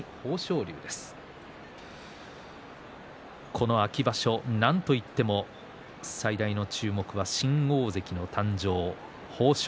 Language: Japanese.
この秋場所なんといっても最大の注目は新大関の誕生豊昇